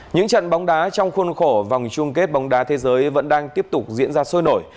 những trận bóng đá trong khuôn khổ vòng chung kết bóng đá thế giới vẫn đang tiếp tục diễn ra sôi nổi